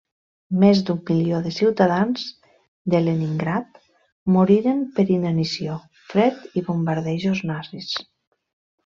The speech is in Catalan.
Més d'un milió de ciutadans de Leningrad moriren per inanició, fred i bombardejos nazis.